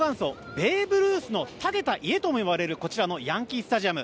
ベーブ・ルースの建てた家ともいわれるこちらのヤンキー・スタジアム。